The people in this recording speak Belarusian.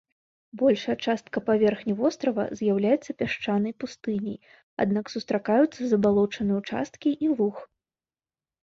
Большая частка паверхні вострава з'яўляецца пясчанай пустыняй, аднак сустракаюцца забалочаныя ўчасткі і лугі.